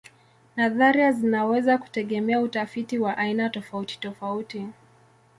Nadharia zinaweza kutegemea utafiti wa aina tofautitofauti.